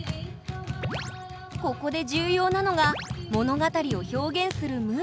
ここで重要なのが物語を表現するムドラー。